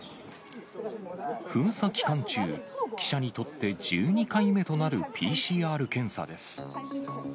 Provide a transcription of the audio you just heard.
封鎖期間中、記者にとって１２回目となるＰＣＲ検査です。